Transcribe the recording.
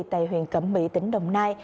tại huyện cẩm mỹ tỉnh đồng nai